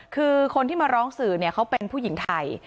คือคนที่มาร้องสื่อเขาเป็นผู้หญิงไทย